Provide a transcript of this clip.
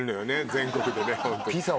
全国でね。